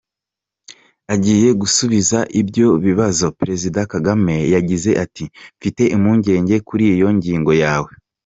Agiye gusubiza ibyo bibazo, Perezida Kagame yagize ati: "Mfite impungenge kuri iyo ngingo yawe.